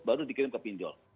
baru dikirim ke pinjol